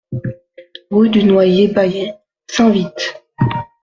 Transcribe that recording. Rue du Noyer Baillet, Saint-Vit